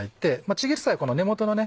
ちぎる際この根元のね